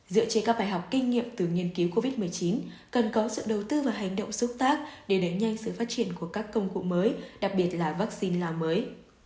dựa trên các bài học kinh nghiệm từ nghiên cứu covid một mươi chín cần có sự đầu tư và hành động xúc tác để đẩy nhanh sự phát triển của các công cụ mới đặc biệt là vaccine lào mới